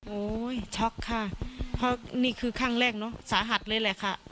โอ้ยช็อกค่ะเพราะนี่คือครั้งแรกเนอะสาหัสเลยแหละค่ะ